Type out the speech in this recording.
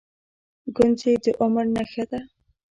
گونځې د عمر نښه ده.